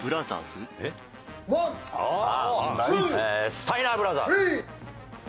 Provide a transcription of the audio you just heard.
スタイナー・ブラザーズ。